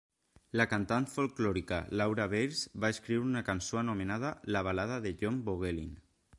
La cantant folklòrica Laura Veirs va escriure una cançó anomenada "La balada de John Vogelin".